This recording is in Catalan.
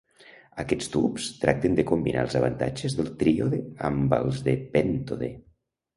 Aquests tubs tracten de combinar els avantatges del tríode amb els de pèntode.